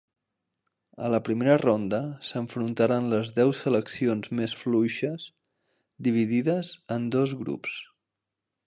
A la primera ronda s'enfrontaren les deu seleccions més fluixes dividides en dos grups.